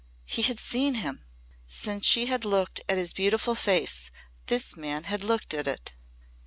He had seen him! Since she had looked at his beautiful face this man had looked at it!